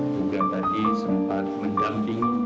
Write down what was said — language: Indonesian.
bukan tadi sempat menjamping